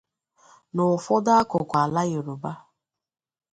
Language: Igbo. N'ụfọdụ akụkụ ala Yoruba